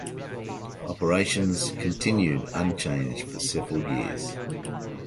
Operations continued unchanged for several years.